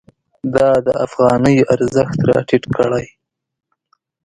دا د افغانۍ ارزښت راټیټ کړی.